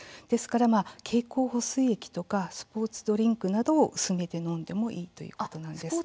ですから経口補水液とかスポーツドリンクなどを薄めて飲んでもいいということです。